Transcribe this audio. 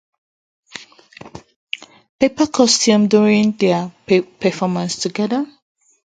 Pepper costumes during their performance together.